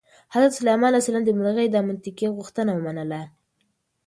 حضرت سلیمان علیه السلام د مرغۍ دا منطقي غوښتنه ومنله.